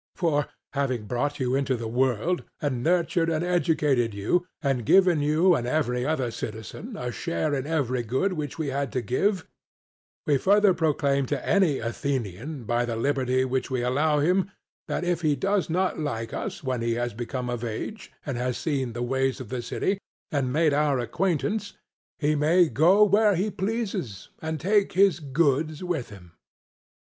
For, having brought you into the world, and nurtured and educated you, and given you and every other citizen a share in every good which we had to give, we further proclaim to any Athenian by the liberty which we allow him, that if he does not like us when he has become of age and has seen the ways of the city, and made our acquaintance, he may go where he pleases and take his goods with him.